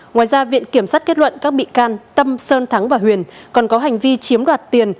ngoài ra viện kiểm sát kết luận các bị can tâm sơn thắng và huyền còn có hành vi chiếm đoạt tiền